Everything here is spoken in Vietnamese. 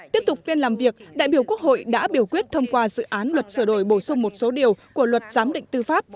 tiếp tục phiên làm việc đại biểu quốc hội đã biểu quyết thông qua dự án luật sửa đổi bổ sung một số điều của luật giám định tư pháp